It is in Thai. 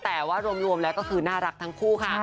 แต่ว่ารวมแล้วก็คือน่ารักทั้งคู่ค่ะ